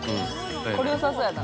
これ、よさそうやな。